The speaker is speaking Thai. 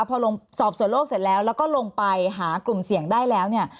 พอลงสอบส่วนโลกเสร็จแล้วแล้วก็ลงไปหากลุ่มเสี่ยงได้แล้วเนี่ย